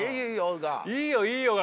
「いいよいいよ」が。